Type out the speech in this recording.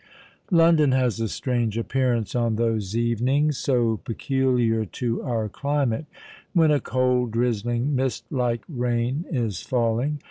London has a strange appearance on those evenings—so peculiar to our climate—when a cold, drizzling, mist like rain is falling.